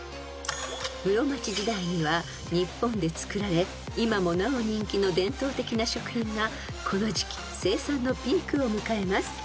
［室町時代には日本で作られ今もなお人気の伝統的な食品がこの時期生産のピークを迎えます］